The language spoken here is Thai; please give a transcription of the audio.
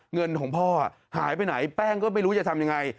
เงินของพ่อหายไปไหนแป้งก็ไม่รู้จะทำยังไง